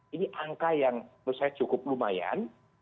ini angka yang menurut saya cukup lumayan